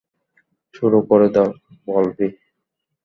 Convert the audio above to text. শুরু করে দাও, ব্লবি!